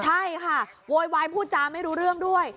ใช่ค่ะโวยวายพูดจาไม่รู้เรื่องด้วย